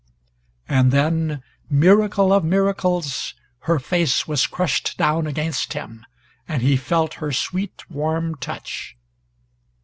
And then, miracle of miracles, her face was crushed down against him, and he felt her sweet warm touch.